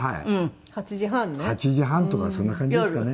「８時半とかそんな感じですかね」